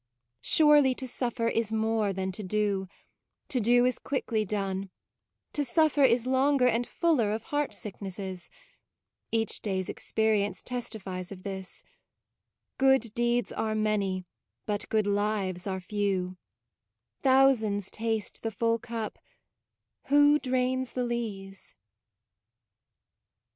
Surely to suffer is more than to do: To do is quickly done; to suffer is Longer and fuller of heart sicknesses; Each day's experience testifies of this: Good deeds are many, but good lives are few; Thousands taste the full cup ; who drains the lees?